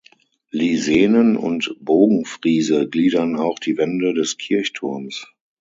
Lisenen und Bogenfriese gliedern auch die Wände des Kirchturms.